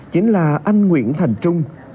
chính là anh nguyễn thành trung